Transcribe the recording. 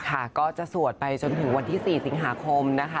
ค่ะก็จะสวดไปจนถึงวันที่๔สิงหาคมนะคะ